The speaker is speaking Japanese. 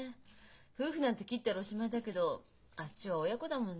夫婦なんて切ったらおしまいだけどあっちは親子だもんねえ。